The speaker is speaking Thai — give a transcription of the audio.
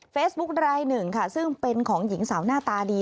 รายหนึ่งค่ะซึ่งเป็นของหญิงสาวหน้าตาดี